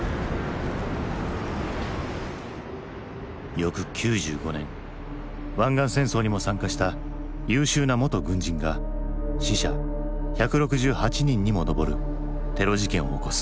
翌９５年湾岸戦争にも参加した優秀な元軍人が死者１６８人にも上るテロ事件を起こす。